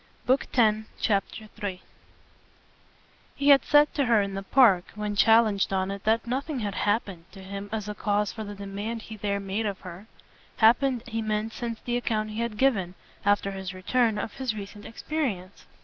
Book Tenth, Chapter 3 He had said to her in the Park when challenged on it that nothing had "happened" to him as a cause for the demand he there made of her happened he meant since the account he had given, after his return, of his recent experience.